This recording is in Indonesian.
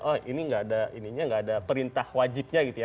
oh ini nggak ada perintah wajibnya gitu ya